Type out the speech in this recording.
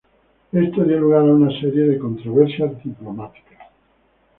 Esto dio lugar a una serie de controversias diplomáticas.